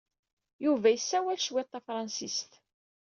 Yuba yessawal cwiṭ tafṛensist.